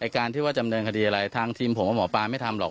การที่ว่าจำเนินคดีอะไรทางทีมผมกับหมอปลาไม่ทำหรอก